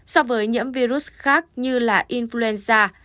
so với nhiễm virus khác như là influenza